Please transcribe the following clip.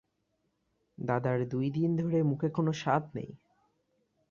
দাদার দুই দিন ধরে মুখে কোনো স্বাদ নেই।